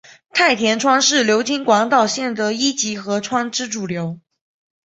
太田川是流经广岛县的一级河川之主流。